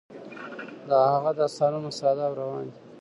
د هغه داستانونه ساده او روان دي.